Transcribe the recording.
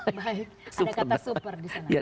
ada kata super disana